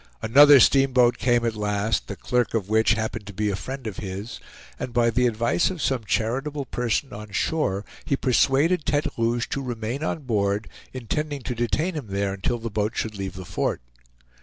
Another steamboat came at last, the clerk of which happened to be a friend of his, and by the advice of some charitable person on shore he persuaded Tete Rouge to remain on board, intending to detain him there until the boat should leave the fort.